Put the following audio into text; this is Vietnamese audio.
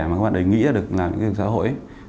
mà các bạn ấy nghĩ ra được là những dự án xã hội ấy